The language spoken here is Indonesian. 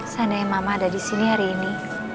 seandainya mama ada di sini hari ini